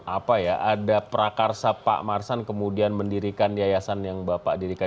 apa ya ada prakarsa pak marsan kemudian mendirikan yayasan yang bapak dirikan